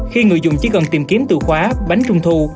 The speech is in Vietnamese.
khi người dùng chỉ cần tìm kiếm từ khóa bánh trung thu